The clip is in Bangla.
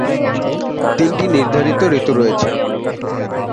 তিনটি নির্ধারিত ঋতু রয়েছে।